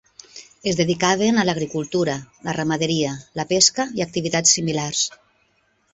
Es dedicaven a l'agricultura, la ramaderia, la pesca i activitats similars.